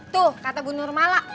tuh kata bu nurmala